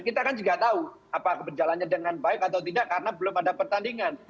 kita kan juga tahu apakah berjalannya dengan baik atau tidak karena belum ada pertandingan